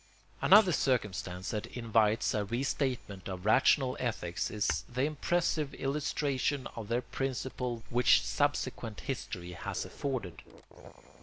Another circumstance that invites a restatement of rational ethics is the impressive illustration of their principle which subsequent history has afforded.